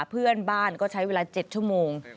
เพื่อนบ้านก็ใช้เวลา๗ชั่วโมง